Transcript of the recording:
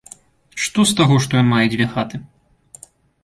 Што з таго, што ён мае дзве хаты!